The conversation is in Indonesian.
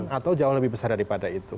atau jauh lebih besar daripada itu